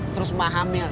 terus emak hamil